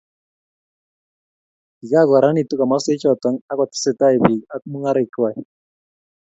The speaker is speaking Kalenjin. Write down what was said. kikokararanitu komoswek choto ako tetesetai bik ab mungaresiek kwai